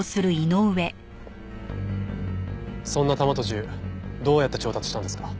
そんな弾と銃どうやって調達したんですか？